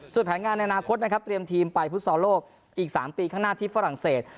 ส่วนแผนงานในอนาคตนะครับเตรียมทีมไปฟุตซอลโลกอีก๓ปีข้างหน้าที่ฝรั่งเศส